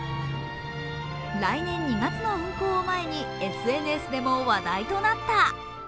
来年２月の運行を前にＳＮＳでも話題になった。